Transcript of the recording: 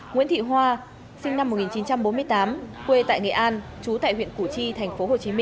nguyễn thị hoa sinh năm một nghìn chín trăm bốn mươi tám quê tại nghệ an chú tại huyện củ chi tp hcm